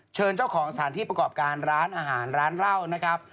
เชิญเจ้าของสถานที่ประกอบการร้านอาหารร้านเหล้านะครับ